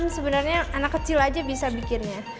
sebenarnya anak kecil aja bisa bikinnya